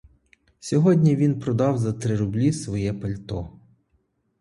Сьогодні він продав за три рублі своє пальто.